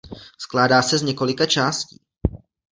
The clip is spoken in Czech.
Skládá se z několika částí.